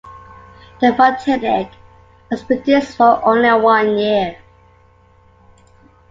The Frontenac was produced for only one year.